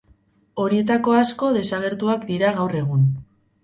Horietako asko desagertuak dira gaur egun.